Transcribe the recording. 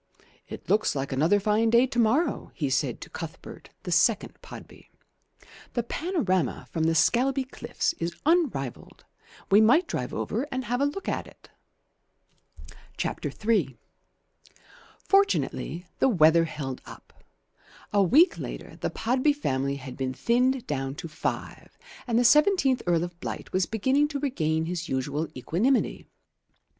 "It looks like another fine day to morrow," he said to Cuthbert, the second Podby. "The panorama from the Scalby cliffs is unrivalled. We might drive over and have a look at it." III Fortunately the weather held up. A week later the Podby family had been thinned down to five, and the seventeenth Earl of Blight was beginning to regain his usual equanimity.